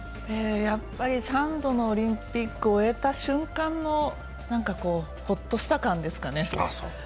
やっぱり３度のオリンピックを終えた瞬間のホッとした感ですかね。